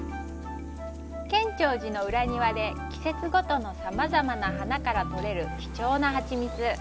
建長寺の裏庭で季節ごとのさまざまな花からとれる貴重な蜂蜜。